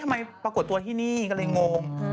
ปรากฏตัวที่นี่ก็เลยงง